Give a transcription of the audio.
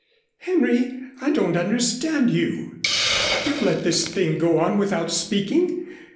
"Henry, I don't understand you. You've let this thing go on without speaking.